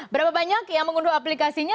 berapa banyak yang mengunduh aplikasinya